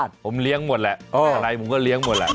ผมเลี้ยงหมดแหละอะไรผมก็เลี้ยงหมดแหละ